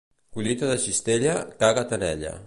Collita de cistella, caga't en ella.